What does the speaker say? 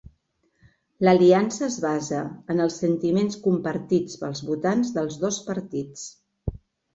L'aliança es basa en els sentiments compartits pels votants dels dos partits.